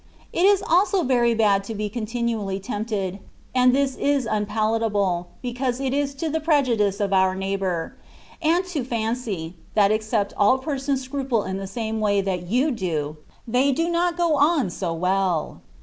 It is also very bad to be con tinually tempted (and this is unpalatable, because it is to the prejudice of our neighbour), and to fancy, that except all persons scruple in the same way that you do, they do not go on so well.